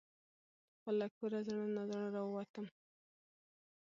خو له کوره زړه نا زړه راوتم .